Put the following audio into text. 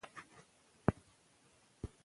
سوله د ملت د هوساینې ضمانت کوي.